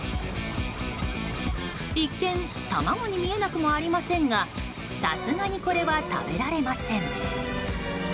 一見、卵に見えなくもありませんがさすがにこれは食べられません。